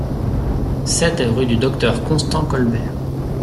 sept rue du Docteur Constant Colbert